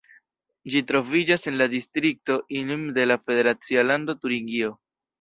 Ĝi troviĝas en la distrikto Ilm de la federacia lando Turingio.